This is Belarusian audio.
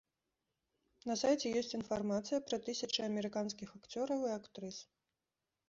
На сайце ёсць інфармацыя пра тысячы амерыканскіх акцёраў і актрыс.